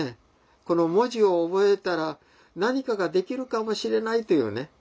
この文字を覚えたら何かができるかもしれないというね。